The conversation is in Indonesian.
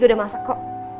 udah masak kok